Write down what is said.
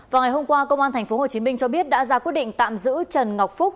vào ngày hôm qua công an tp hcm cho biết đã ra quyết định tạm giữ trần ngọc phúc